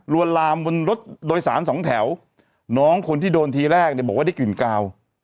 วนลามบนรถโดยสารสองแถวน้องคนที่โดนทีแรกเนี่ยบอกว่าได้กลิ่นกาว